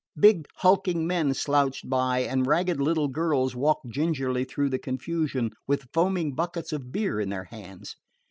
Big hulking men slouched by, and ragged little girls walked gingerly through the confusion with foaming buckets of beer in their hands.